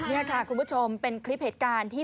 นี่ค่ะคุณผู้ชมเป็นคลิปเหตุการณ์ที่